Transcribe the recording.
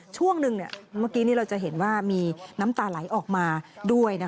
ช่วงหนึ่งเมื่อกี้นี้เราจะเห็นว่ามีน้ำตาไหลออกมาด้วย